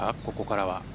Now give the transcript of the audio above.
ここからは。